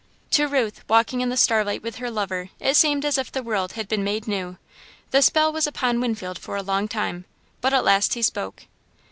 To Ruth, walking in the starlight with her lover, it seemed as if the world had been made new. The spell was upon Winfield for a long time, but at last he spoke.